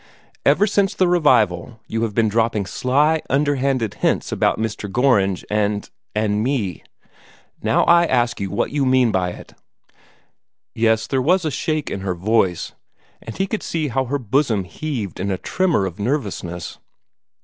Ever since the revival, you have been dropping sly, underhand hints about Mr. Gorringe and and me. Now I ask you what you mean by it." Yes, there was a shake in her voice, and he could see how her bosom heaved in a tremor of nervousness.